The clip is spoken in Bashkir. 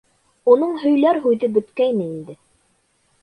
Уның һөйләр һүҙе бөткәйне инде.